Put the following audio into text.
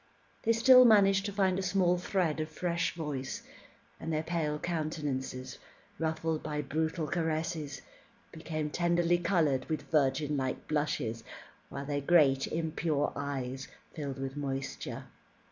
They still managed to find a small thread of fresh voice, and their pale countenances, ruffled by brutal caresses, became tenderly coloured with virgin like blushes, while their great impure eyes filled with moisture.